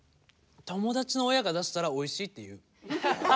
友達の親が出したらおいしいって言う。